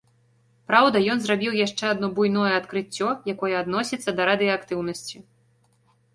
Праўда, ён зрабіў яшчэ адно буйное адкрыццё, якое адносіцца да радыеактыўнасці.